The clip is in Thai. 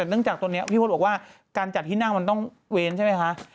เนื่องจากตอนนี้พี่พศบอกว่าการจัดที่นั่งมันต้องเว้นใช่ไหมคะ